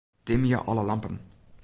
Dimje alle lampen.